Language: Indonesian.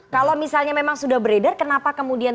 kalau misalnya memang sudah beredar kenapa kemudian